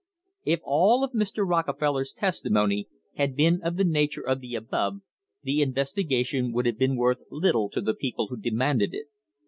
If all of Mr. Rockefeller's testimony had been of the nature of the above, the investigation would have been worth little to the people who demanded it.